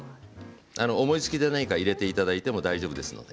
思いつきで何か入れていただいても大丈夫ですので。